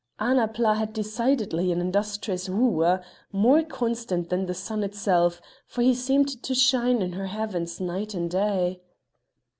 Annapla had decidedly an industrious wooer, more constant than the sun itself, for he seemed to shine in her heavens night and day.